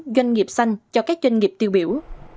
doanh nghiệp xanh cho các doanh nghiệp tiêu biểu